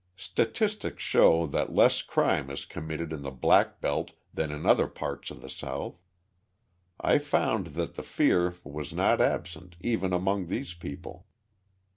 Statistics show that less crime is committed in the black belt than in other parts of the South. I found that the fear was not absent even among these people.